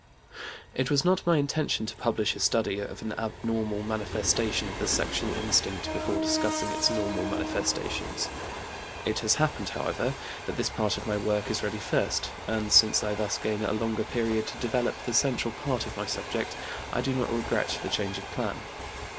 It was not my intention to publish a study of an abnormal manifestation of the sexual instinct before discussing its normal manifestations. It has happened, however, that this part of my work is ready first, and, since I thus gain a longer period to develop the central part of my subject, I do not regret the change of plan.